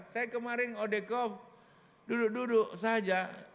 saya kemarin odekov duduk duduk saja